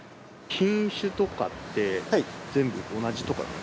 品種とかって全部同じとか。